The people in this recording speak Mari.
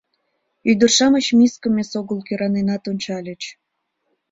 Ӱдыр-шамыч мискым эсогыл кӧраненат ончальыч.